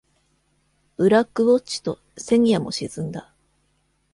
「ブラックウォッチ」と「セニヤ」も沈んだ。